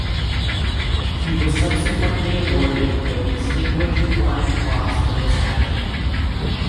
He was subsequently awarded the Distinguished Flying Cross for this action.